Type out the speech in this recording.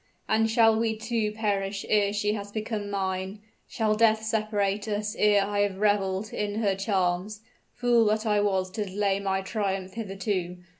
And shall we too perish ere she has become mine? shall death separate us ere I have reveled in her charms? Fool that I was to delay my triumph hitherto!